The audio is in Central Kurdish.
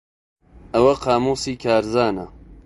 ئەوە قامووسی کارزانە.